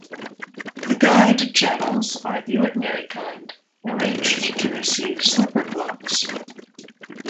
The guide channels are the ordinary kind, arranged to receive slipper blocks.